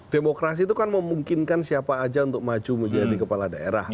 demokrasi itu kan memungkinkan siapa aja untuk maju menjadi kepala daerah